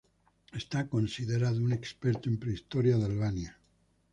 Es considerado un experto en prehistoria de Albania.